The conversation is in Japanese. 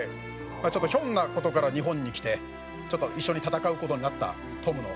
ちょっとひょんな事から日本に来て一緒に戦う事になったトムの話ですね。